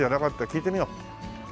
聞いてみよう。